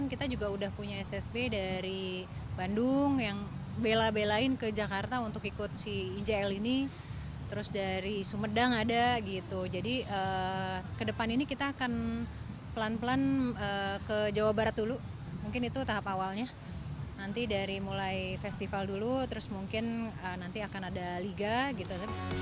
nanti dari mulai festival dulu terus mungkin nanti akan ada liga gitu